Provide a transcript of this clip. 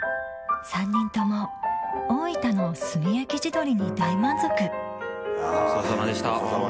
３人とも大分の炭焼き地鶏に大満足ごちそうさまでした。